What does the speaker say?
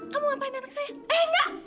kamu mau apain anak saya eh ga